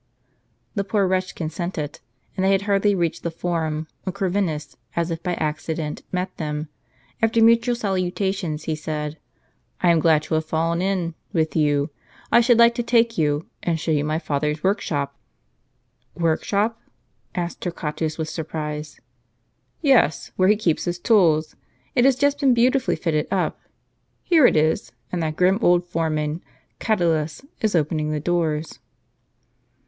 The poor wretch consented ; and they had hardly reached the Forum, when Corvinus, as if by accident, met them. After mutual salutations, he said :" I am glad to have fallen in sTTD M P ^:i with you ; I should Uke to take you, and show you my father's workshop." " Workshoj) ?" asked Torquatus with surprise. " Yes, where he keeps his tools ; it has just been beautifully fitted up. Here it is, and that grim old foreman, Catulus, is opening the doors."